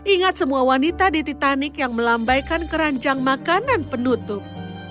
ingat semua wanita di titanic yang melambaikan keranjang makanan penutup